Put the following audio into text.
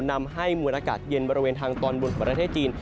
นำให้มวลอากาศเย็นบริเวณทางตอนบนของประเทศจีน